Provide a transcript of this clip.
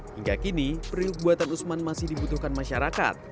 hingga kini periuk buatan usman masih dibutuhkan masyarakat